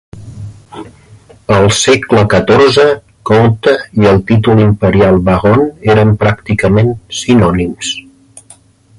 Al segle XIV, "conte" i el títol imperial "barone" eren pràcticament sinònims.